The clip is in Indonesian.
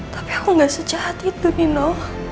tapi aku gak sejahat itu bino